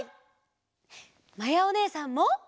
まやおねえさんも！